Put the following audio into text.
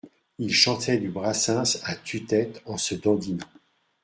Ils chantaient du Brassens à tue-tête en se dandinant